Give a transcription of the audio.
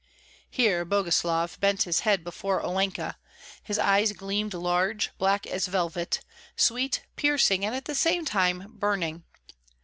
Here Boguslav bent his head before Olenka; his eyes gleamed large, black as velvet, sweet, piercing, and at the same time burning.